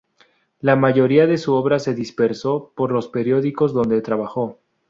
La mayoría de su obra se dispersó por los periódicos donde trabajó.